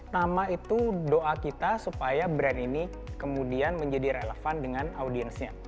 nama itu doa kita supaya brand ini kemudian menjadi relevan dengan audiensnya